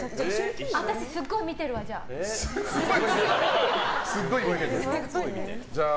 私すっごい見てるわ、じゃあ。